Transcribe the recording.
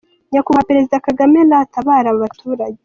Nyakubahwa Prezida Kagame natabare aba baturage.